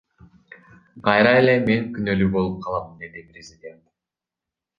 Кайра эле мен күнөөлүү болуп калам, — деди президент.